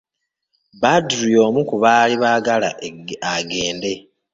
Badru y'omu ku baali baagala agende.